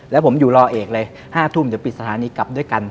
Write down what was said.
แล้วผมอยู่รอเอกเลย๕ทุ่มเดี๋ยวปิดสถานีกลับด้วยกัน